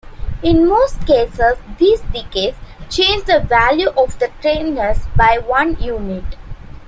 In most cases these decays change the value of the strangeness by one unit.